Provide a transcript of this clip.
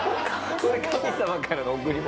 これ神様からの贈り物？